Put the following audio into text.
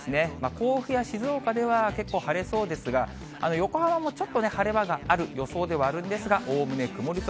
甲府や静岡では結構晴れそうですが、横浜もちょっと晴れ間がある予想ではあるんですが、おおむね曇り空。